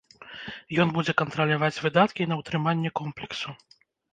Ён будзе кантраляваць выдаткі на ўтрыманне комплексу.